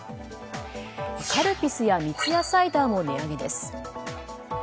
カルピスや三ツ矢サイダーも値上げです。